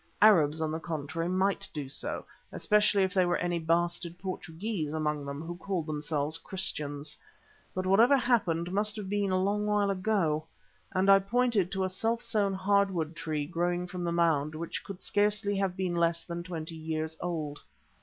Arabs, on the contrary, might do so, especially if there were any bastard Portuguese among them who called themselves Christians. But whatever happened must have been a long while ago," and I pointed to a self sown hardwood tree growing from the mound which could scarcely have been less than twenty years old.